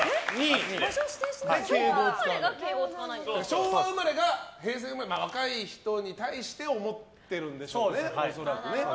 昭和生まれが、平成生まれに若い人に対して思ってるんでしょうね、恐らくね。